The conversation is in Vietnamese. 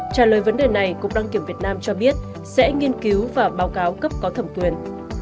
trả lời vấn đề này cục đăng kiểm việt nam cho biết sẽ nghiên cứu và báo cáo cấp có thẩm quyền